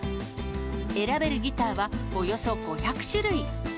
選べるギターはおよそ５００種類。